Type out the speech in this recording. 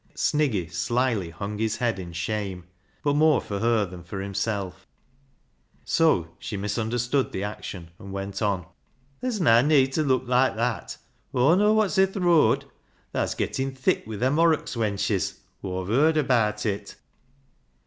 Sniggy shyly hung his head in shame, but more for her than for himself So she mis understood the action, and went on —" Tha's na need ta leuk loike that ; Aw know wot's i' th' rooad. Tha's gettin' thick wi' them Horrocks wenches, Awve yerd abaat it."